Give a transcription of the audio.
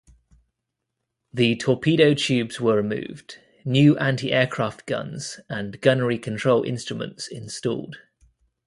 The torpedo tubes were removed, new anti-aircraft guns and gunnery control instruments installed.